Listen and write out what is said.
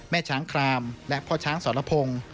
ช้างครามและพ่อช้างสรพงศ์